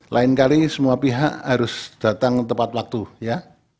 lain kali semua pihak harus datang tepat waktu ya